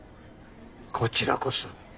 こちらこそ。